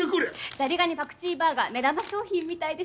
ザリガニパクチーバーガー目玉商品みたいです。